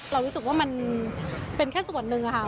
เรารู้สึกว่ามันเป็นแค่ส่วนหนึ่งค่ะ